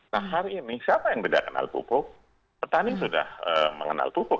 nah hari ini siapa yang tidak kenal pupuk petani sudah mengenal pupuk